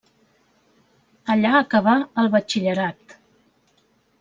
Allà acabà el batxillerat.